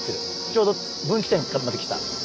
ちょうど分岐点まで来た。